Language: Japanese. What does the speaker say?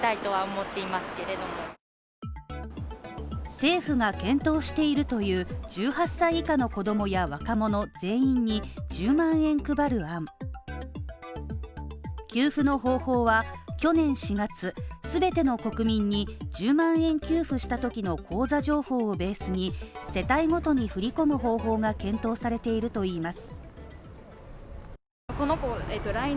政府が検討しているという１８歳以下の子供や若者全員に１０万円配る案給付の方法は、去年４月全ての国民に１０万円給付したときの口座情報をベースに、世帯ごとに振り込む方法が検討されているといいます。